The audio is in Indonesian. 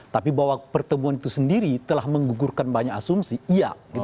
tapi bahwa pertemuan itu sendiri telah menggugurkan banyak asumsi iya